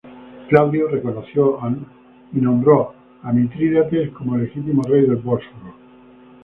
Claudio reconoció y nombró a Mitrídates como legítimo rey del Bósforo.